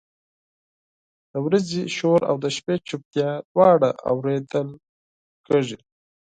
د ورځې شور او د شپې چپتیا دواړه اورېدل کېږي.